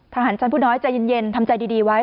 ทหารชั้นผู้น้อยใจเย็นทำใจดีไว้